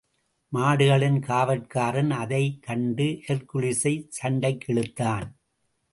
மாடுகளின் காவற்காரன் அதைக் கண்டு ஹெர்க்குலிஸைச் சண்டைக்கிழுத்தான்.